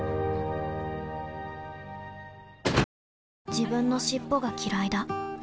自分の尻尾がきらいだ